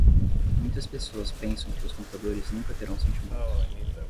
Muitas pessoas pensam que os computadores nunca terão sentimentos.